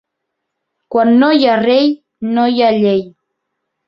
Quan no hi ha rei, no hi ha llei.